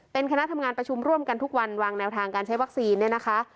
เป็นคณะทำงานประชุมร่วมกันทุกวันวางแนวทางการใช้วัคซีนเนี่ยนะคะ